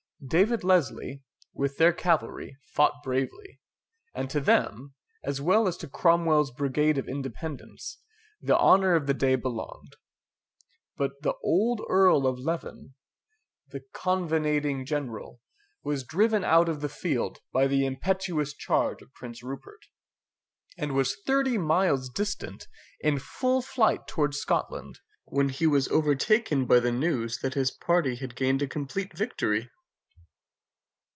David Leslie, with their cavalry, fought bravely, and to them, as well as to Cromwell's brigade of Independents, the honour of the day belonged; but the old Earl of Leven, the covenanting general, was driven out of the field by the impetuous charge of Prince Rupert, and was thirty miles distant, in full flight towards Scotland, when he was overtaken by the news that his party had gained a complete victory.